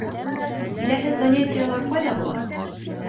Киләһе занятиелар ҡайҙа була?